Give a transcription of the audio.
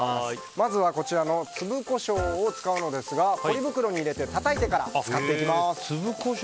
まずは粒コショウを使うのですがポリ袋に入れてたたいてから使っていきます。